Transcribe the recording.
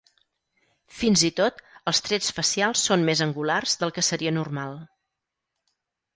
Fins i tot, els trets facials són més angulars del que seria normal.